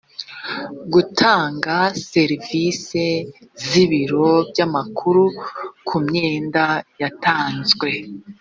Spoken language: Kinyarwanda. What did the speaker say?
gutanga serivisi z ibiro by amakuru ku myenda yatanzwe